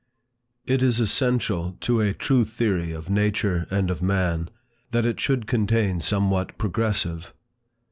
IT is essential to a true theory of nature and of man, that it should contain somewhat progressive.